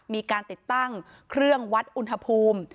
มีการติดตั้งเครื่องวัดอุณหภูมิ